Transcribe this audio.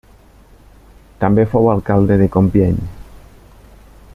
També fou alcalde de Compiègne.